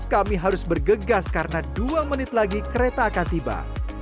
kami harus bergegas karena dua menit lagi kereta akan tiba